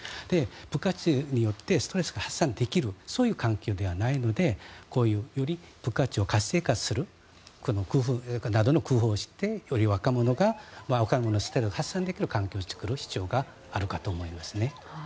部活によってストレスが発散できるそういう環境ではないのでこういうより部活を活性化するなどの工夫をして、より若者がストレスを発散できる環境を作る必要があるかと思いますね。